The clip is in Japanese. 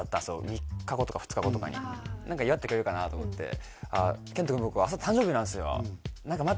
３日後とか２日後とかに何か祝ってくれるかなと思って「賢人君僕あさって誕生日なんですよ」